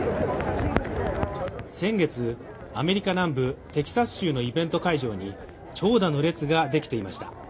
先月、アメリカ南部テキサス州のイベント会場に長蛇の列ができていました。